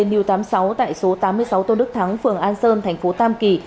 điều tám mươi sáu tại số tám mươi sáu tôn đức thắng phường an sơn thành phố tam kỳ